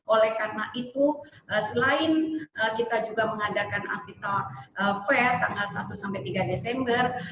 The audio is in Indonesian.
oleh karena itu selain kita juga mengadakan asita fair tanggal satu sampai tiga desember